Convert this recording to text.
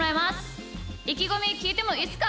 いきごみきいてもいいっすか？